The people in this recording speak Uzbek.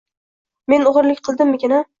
Men o‘g‘irlik qildimmikin a